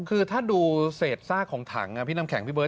คือถ้าดูเศษซากของถังพี่น้ำแข็งพี่เบิร์